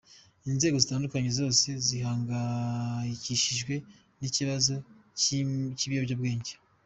Inzego zitandukanye zose zihangayikishijwe n’ ikibazo cy’ ibiyobyabwenge”.